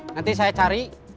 nanti saya cari